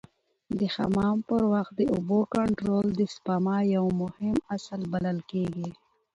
د حمام پر وخت د اوبو کنټرول د سپما یو مهم اصل بلل کېږي.